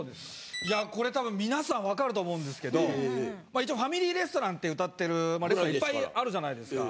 これたぶん皆さん分かると思うんですけど一応ファミリーレストランってうたってるレストランいっぱいあるじゃないですか。